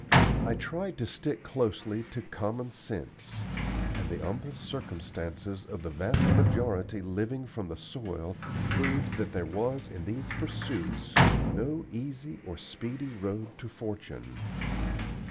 I tried to stick closely to common sense; and the humble circumstances of the vast majority living from the soil proved that there was in these pursuits no easy or speedy road to fortune.